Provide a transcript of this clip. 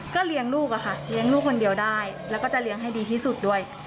เลี้ยงลูกอะค่ะเลี้ยงลูกคนเดียวได้แล้วก็จะเลี้ยงให้ดีที่สุดด้วย